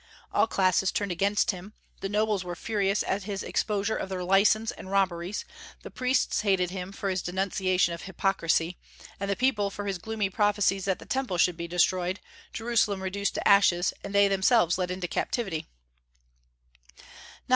All classes turned against him; the nobles were furious at his exposure of their license and robberies, the priests hated him for his denunciation of hypocrisy, and the people for his gloomy prophecies that the Temple should be destroyed, Jerusalem reduced to ashes, and they themselves led into captivity.